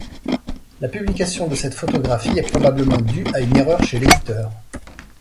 La publication de cette photographie est probablement due à une erreur chez l’éditeur.